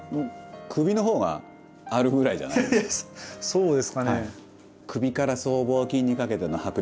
そうですかね。